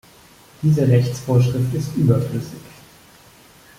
Diese Rechtsvorschrift ist überflüssig.